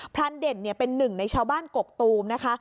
รานเด่นเป็นหนึ่งในชาวบ้านกกตูมนะคะ